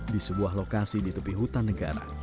di sebuah lokasi di tepi hutan negara